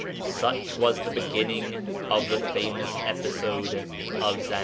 Such was the beginning of the famous episode of Zanjan.